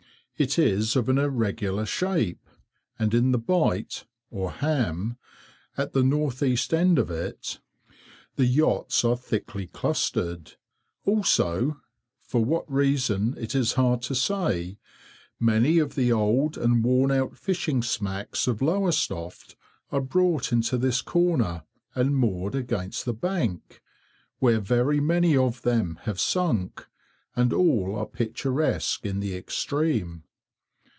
It is of an irregular shape, and in the bight, or "ham," at the north east end of it, the yachts are thickly clustered. Also, for what reason it is hard to say, many of the old and worn out fishing smacks of Lowestoft are brought into this corner, and moored against the bank, where very many of them have sunk, and all are picturesque in the extreme.